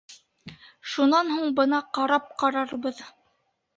Шунан һуң бына ҡарап ҡарарбыҙ.